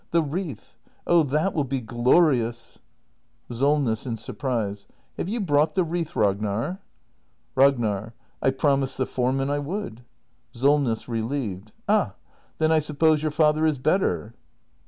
] The wreath ! Oh, that will be glorious! SOLNESS. [In surprise.] Have you brought the wreath, Rag nar? Ragnar. I promised the foreman I would. SOLNESS. [Relieved.] Ah, then I suppose your father is better